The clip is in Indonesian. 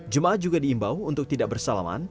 jemaah juga diimbau untuk tidak bersalaman